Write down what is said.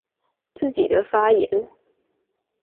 自己的發言